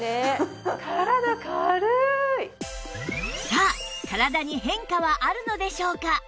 さあ体に変化はあるのでしょうか？